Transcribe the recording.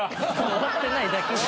終わってないだけじゃん。